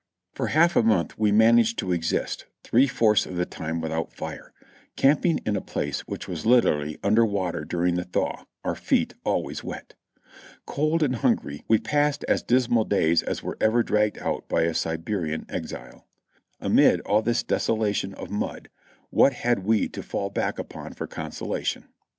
For half a month we managed to exist; three fourths of the time without fire, camping in a place which was literally under water during the thaw, our feet always wet. Cold and hungry, we passed as dismal days as were ever dragged out by a Siberian exile. Amid all this desolation of mud, what had we to fall back upon for consolation?